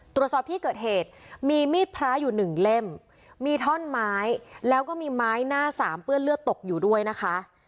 ตรวจสอบที่เกิดเหตุมีมีดพระอยู่หนึ่งเล่มมีท่อนไม้แล้วก็มีไม้หน้าสามเปื้อนเลือดตกอยู่ด้วยนะคะ